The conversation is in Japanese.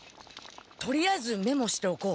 とりあえずメモしておこう。